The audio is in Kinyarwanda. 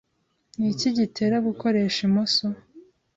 Ni iki gitera gukoresha imoso?